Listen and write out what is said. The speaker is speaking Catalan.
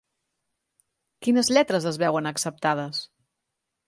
Quines lletres es veuen acceptades?